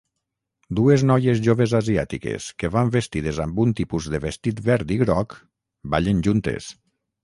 Dues noies joves asiàtiques que van vestides amb un tipus de vestit verd i groc ballen juntes.